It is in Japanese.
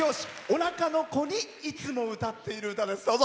おなかの子にいつも歌っている歌です。